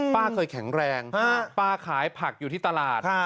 ป้าเคยแข็งแรงป้าขายผักอยู่ที่ตลาด